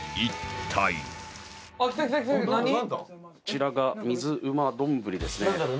こちらが水うま丼ですね。